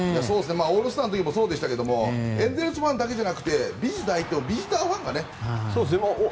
オールスターの時もそうでしたけどエンゼルスファンだけじゃなくてビジター行ってもビジターファンがね。